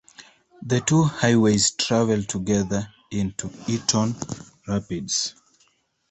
The two highways travel together into Eaton Rapids.